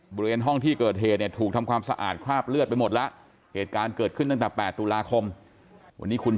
บริเวณห้องที่เกิดเหตุเนี่ย